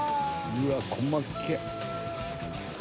「うわっ細けえ！」